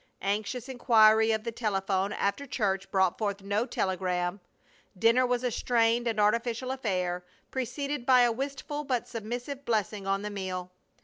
Anxious inquiry of the telephone after church brought forth no telegram. Dinner was a strained and artificial affair, preceded by a wistful but submissive blessing on the meal.